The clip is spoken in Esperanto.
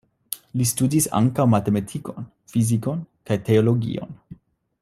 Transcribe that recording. Li studis ankaŭ matematikon, fizikon kaj teologion.